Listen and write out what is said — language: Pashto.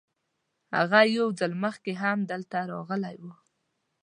هغه یو ځل مخکې هم دلته راغلی و.